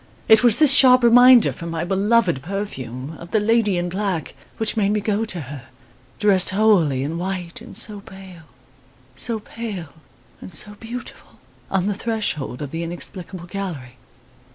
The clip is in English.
* It was this sharp reminder from my beloved perfume, of the lady in black, which made me go to her dressed wholly in white and so pale so pale and so beautiful! on the threshold of the inexplicable gallery.